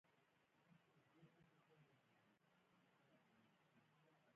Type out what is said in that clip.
د پوهې لټه خوشحالي ده.